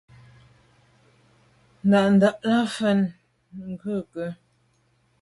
Ndà’ndà’ lα mfɛ̂l ὰm Ndʉ̂kə.